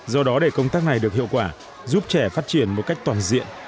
do đó để công tác này được hiệu quả giúp trẻ phát triển một cách toàn diện